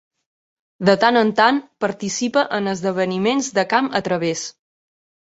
De tant en tant participa en esdeveniments de camp a través.